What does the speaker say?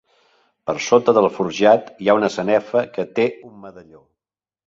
Per sota del forjat hi ha una sanefa, que té un medalló.